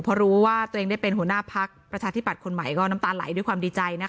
พอรู้ว่าตัวเองได้เป็นหัวหน้าพักประชาธิบัตย์คนใหม่ก็น้ำตาไหลด้วยความดีใจนะคะ